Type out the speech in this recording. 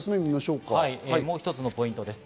もう一つのポイントです。